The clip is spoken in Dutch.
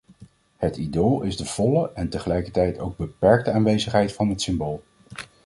Het idool is de volle en tegelijkertijd ook beperkte aanwezigheid van het symbool.